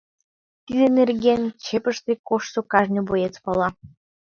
Тидын нерген чепыште коштшо кажне боец пала.